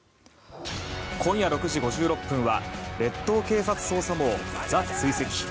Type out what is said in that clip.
今夜６時５６分は「列島警察捜査網ＴＨＥ追跡」。